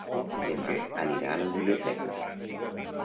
Demà anirà a la biblioteca.